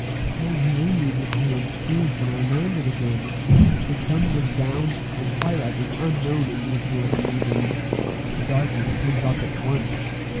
How lonely the island seemed when I landed again! The sun was down, and twilight is unknown in these northern regions. The darkness comes up at once.